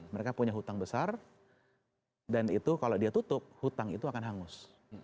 mereka punya hutang besar dan itu kalau dia tutup hutang itu akan hangus